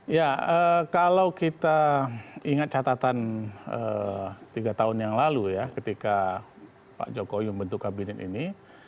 ya kalau kita ingat catatan tiga tahun yang lalu ya ketika pak jokowi membentuk kabinet ini